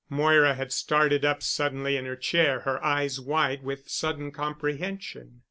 Moira had started up suddenly in her chair, her eyes wide with sudden comprehension.